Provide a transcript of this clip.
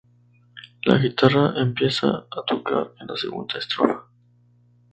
La guitarra empieza a tocar en la segunda estrofa.